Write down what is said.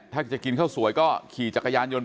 ถ้าจะกินข้าวสวยก็ขี่จักรยานยนต